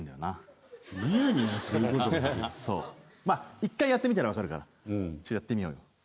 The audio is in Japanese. まあ１回やってみたら分かるからやってみようよ。